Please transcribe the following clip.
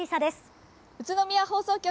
宇都宮放送局